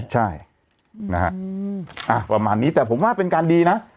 ใช่นะฮะประมาณนี้แต่ผมว่าเป็นการดีนะ